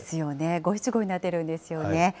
５・７・５になってるんですよね。